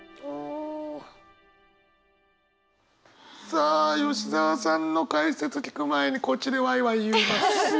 さあ吉澤さんの解説聞く前にこっちでわいわい言います。